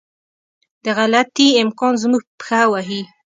د غلطي امکان زموږ پښه وهي.